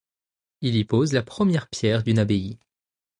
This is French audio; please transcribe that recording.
Il y pose la première pierre d'une abbaye.